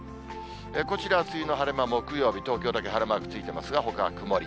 こちら、梅雨の晴れ間、木曜日、東京だけ晴れマークついてますが、ほかは曇り。